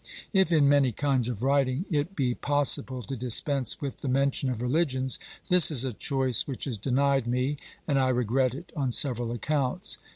If in many kinds of writing it be possible to dispense with the mention of religions, this is a choice which is denied me, and I regret it on several accounts.